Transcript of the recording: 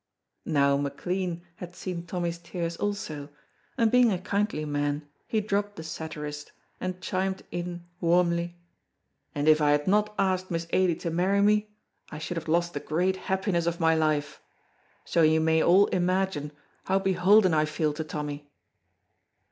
Now McLean had seen Tommy's tears also, and being a kindly man he dropped the satirist and chimed in warmly, "And if I had not asked Miss Ailie to marry me I should have lost the great happiness of my life, so you may all imagine how beholden I feel to Tommy."